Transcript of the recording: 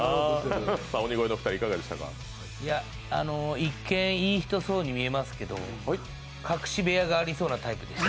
一見いい人そうに見えますけど、隠し部屋がありそうなタイプですね。